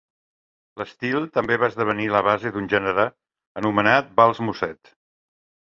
L'estil també va esdevenir la base d'un gènere anomenat vals musette.